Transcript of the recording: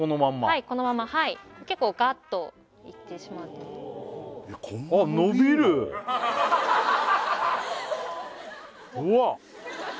はいこのままはい結構ガッといってしまってこんなのびるの？